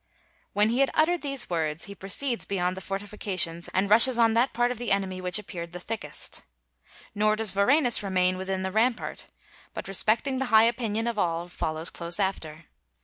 When he had uttered these words, he proceeds beyond the fortifications, and rushes on that part of the enemy which appeared the thickest. Nor does Varenus remain within the rampart, but respecting the high opinion of all, follows close after.